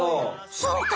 そうか！